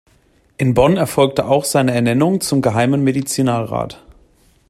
In Bonn erfolgte auch seine Ernennung zum Geheimen Medizinalrat.